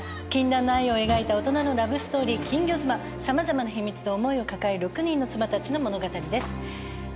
禁断の愛を描いた大人のラブストーリー『金魚妻』様々な秘密と思いを抱える６人の妻たちの物語です。